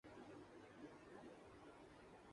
تو پاکستان کی تمام مالی مشکلات بتدریج دور ہوتی جائیں گی۔